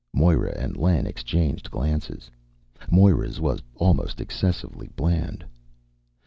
Moira and Len exchanged glances. Moira's was almost excessively bland.